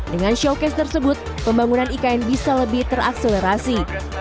dengan showcase tersebut pembangunan ikn bisa lebih terakselerasi